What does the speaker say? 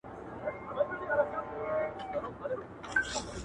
عام خلک مو وطن پرېښودلو ته مجبور کړي دي